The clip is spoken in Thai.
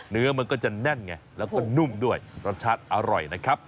เนื้อมันก็จะแน่นไงแล้วก็นุ่มด้วยรสชาติอร่อยนะครับ